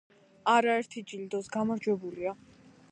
არაერთი ჯილდოს გამარჯვებულია.